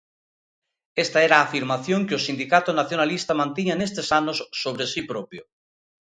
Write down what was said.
Esta era a afirmación que o sindicato nacionalista mantiña nestes anos sobre si propio.